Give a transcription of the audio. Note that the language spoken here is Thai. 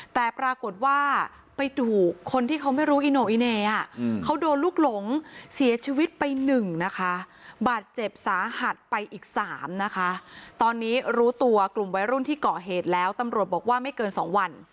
แต่ปรากฏว่าไปดูคนที่เขาไม่รู้อิโนะอิเนย์อะ